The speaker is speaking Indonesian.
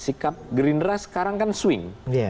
sikap gerindra sekarang kan swing